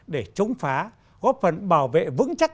để chống phá góp phần bảo vệ vững chắc